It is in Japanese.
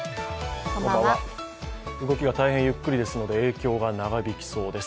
動きが大変ゆっくりですので影響が長引きそうです。